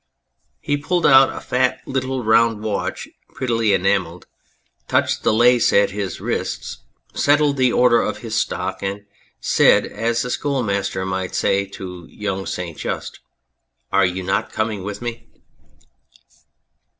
He pulled out a fat little round watch prettily enamelled, touched the lace at his wrists, settled the order of his stock, and said as a schoolmaster might say it to young St Just :" Are you not coming with me